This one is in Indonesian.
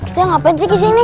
kita ngapain sih kesini